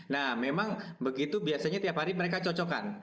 nah memang begitu biasanya tiap hari mereka cocokkan